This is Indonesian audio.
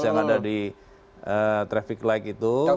yang ada di traffic light itu